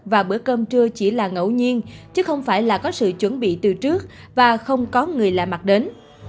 và bữa cơm trưa chỉ là ngẫu nhiên chứ không phải là có sự chuẩn bị từ trước và không có người lạ mặt đến